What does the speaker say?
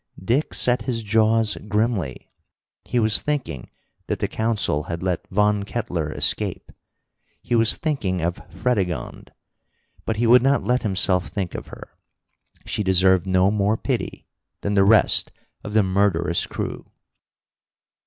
Dick set his jaws grimly. He was thinking that the Council had let Von Kettler escape. He was thinking of Fredegonde. But he would not let himself think of her. She deserved no more pity than the rest of the murderous crew.